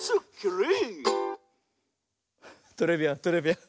トレビアントレビアン。